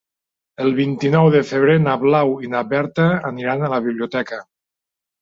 El vint-i-nou de febrer na Blau i na Berta aniran a la biblioteca.